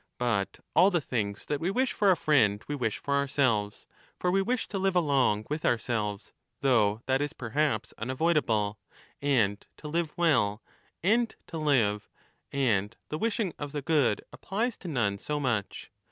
^ But all the things that we wish for a friend we 35 wish for ourselves. For we wish to live along with our selves (though that is perhaps unavoidable), and to live well, and to live, and the wishing of the good applies to none so much.